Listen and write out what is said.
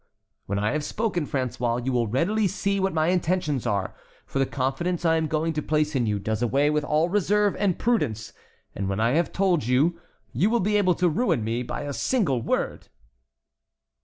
"When I have spoken, François, you will readily see what my intentions are, for the confidence I am going to place in you does away with all reserve and prudence. And when I have told you, you will be able to ruin me by a single word!"